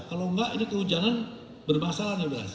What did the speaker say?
kalau enggak ini kehujanan bermasalah ya beras